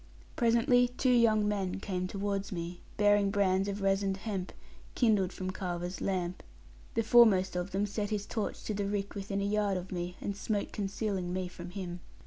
Presently two young men came towards me, bearing brands of resined hemp, kindled from Carver's lamp. The foremost of them set his torch to the rick within a yard of me, and smoke concealing me from him.